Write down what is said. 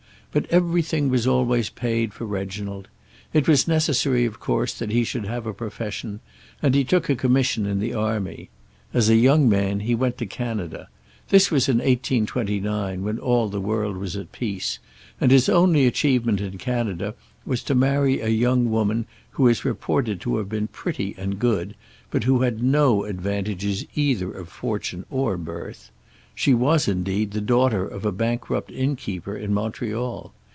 But everything was always paid for Reginald. It was necessary, of course, that he should have a profession, and he took a commission in the army. As a young man he went to Canada. This was in 1829, when all the world was at peace, and his only achievement in Canada was to marry a young woman who is reported to have been pretty and good, but who had no advantages either of fortune or birth. She was, indeed, the daughter of a bankrupt innkeeper in Montreal.